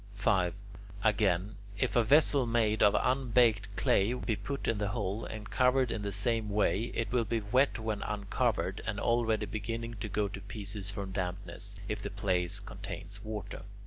5. Again, if a vessel made of unbaked clay be put in the hole, and covered in the same way, it will be wet when uncovered, and already beginning to go to pieces from dampness, if the place contains water.